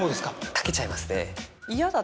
かけちゃいますね。